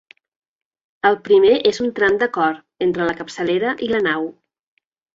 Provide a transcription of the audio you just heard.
El primer és un tram de cor, entre la capçalera i la nau.